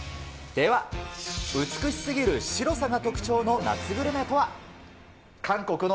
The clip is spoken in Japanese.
では、美しすぎる白さが特徴の夏グルメとは。